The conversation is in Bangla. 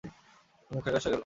মুখ ফ্যাকাশে হয়ে গেল।